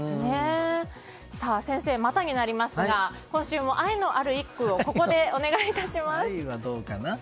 先生、またになりますが今週も愛のある一句をここでお願いいたします。